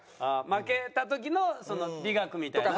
負けた時の美学みたいな。